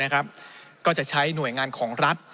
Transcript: ก็จะใช้หน่วยงานของรัฐ